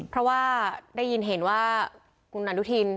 เพราะว่าได้ยินเห็นว่าคุณอนุทิน